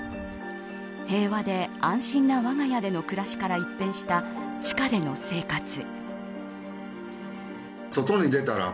平和で安心なわが家での暮らしから一変した地下での生活。